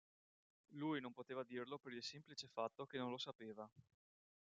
Lui non poteva dirlo per il semplice fatto che non lo sapeva.